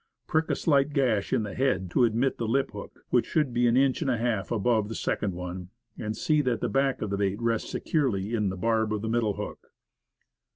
Prick a slight gash in the head to admit the lip hook, which should be an inch and a half above the second one, and see that the fork of the bait rests securely in the barb of the middle hook.